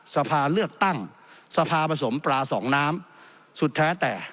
สภาเลือกตั้งสภาผสมปลาสองน้ำสุดแท้แต่